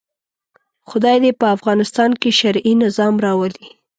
خدای دې په افغانستان کې شرعي نظام راولي.